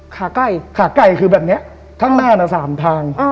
ขาไก่ขาไก่คือแบบเนี้ยข้างหน้าน่ะสามทาง